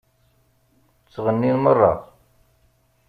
Ttɣennin meṛṛa.